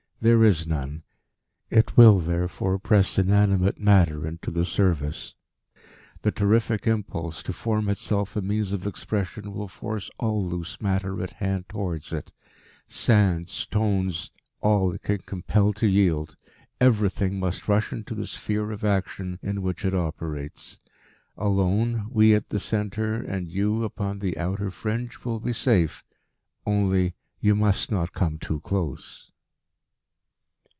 There is none. It will, therefore, press inanimate matter into the service. The terrific impulse to form itself a means of expression will force all loose matter at hand towards it sand, stones, all it can compel to yield everything must rush into the sphere of action in which it operates. Alone, we at the centre, and you, upon the outer fringe, will be safe. Only you must not come too close."